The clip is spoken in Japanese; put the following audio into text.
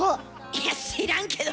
いや知らんけど！